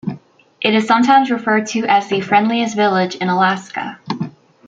It is sometimes referred to as the friendliest village in Alaska.